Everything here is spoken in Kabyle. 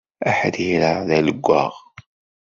Aḥrir-a d alewwaɣ.